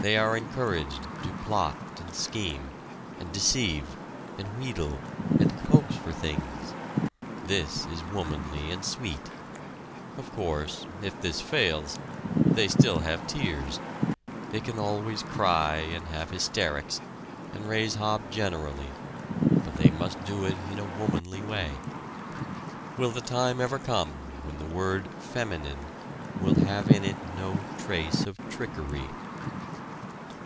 They are encouraged to plot and scheme, and deceive, and wheedle, and coax for things. This is womanly and sweet. Of course, if this fails, they still have tears they can always cry and have hysterics, and raise hob generally, but they must do it in a womanly way. Will the time ever come when the word "feminine" will have in it no trace of trickery?